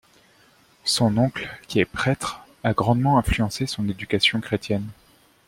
Son oncle, qui est prêtre, à grandement influencé son éducation chrétienne.